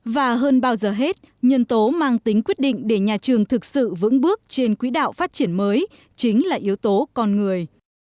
và hơn bao giờ hết nhân tố mang tính quyết định để nhà trường thực sự vững bước trên quỹ đạo phát triển mới chính là yếu tố con người